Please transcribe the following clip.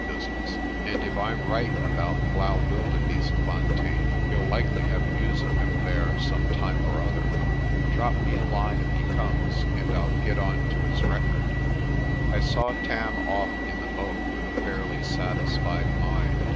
business, and if I'm right about Blaauwildebeestefontein you'll likely have news of him there some time or other. Drop me a line if he comes, and I'll get on to his record." I saw Tam off in the boat with a fairly satisfied mind.